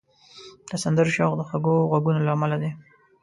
د سندرو شوق د خوږو غږونو له امله دی